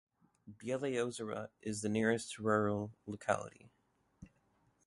Beloye Ozero is the nearest rural locality.